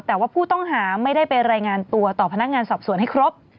แต่ว่าผู้ต้องหาไม่ได้ไปรายงานตัวต่อพนักงานสอบสวนให้ครบ